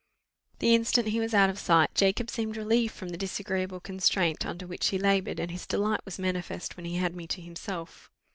The instant he was out of sight, Jacob seemed relieved from the disagreeable constraint under which he laboured, and his delight was manifest when he had me to himself.